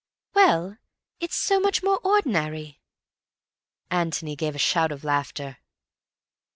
"Well, it's so much more ordinary." Antony gave a shout of laughter.